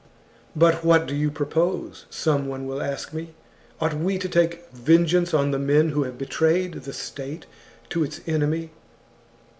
"' But what do you propose ?' some one will ask me ;* ought we to take vengeance on the men THE JUGURTHINE WAR. 1 57 who have betrayed the state to its enemy?